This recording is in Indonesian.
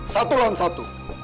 satu lawan satu